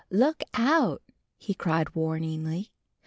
"Look out!" he called warningly.